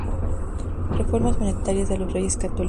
Reformas monetarias de los Reyes Católicos.